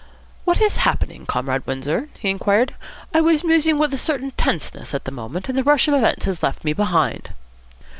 "What is happening, Comrade Windsor?" he inquired. "I was musing with a certain tenseness at the moment, and the rush of events has left me behind."